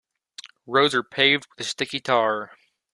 Roads are paved with sticky tar.